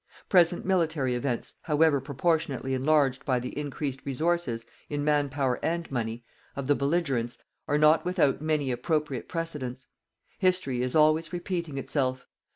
Present military events, however proportionately enlarged by the increased resources, in man power and money, of the belligerents, are not without many appropriate precedents. History is always repeating itself.